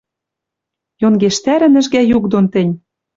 Йонгештӓрӹ нӹжгӓ юк дон тӹнь.